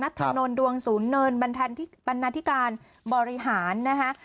นัทธนตร์ดวงศูนย์เนินบันทนาธิการบริหาร